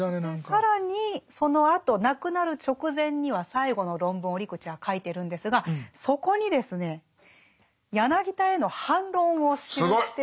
更にそのあと亡くなる直前には最後の論文を折口は書いてるんですがそこにですね柳田への反論を記しているんですね。